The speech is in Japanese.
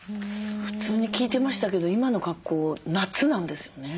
普通に聞いてましたけど今の格好夏なんですよね。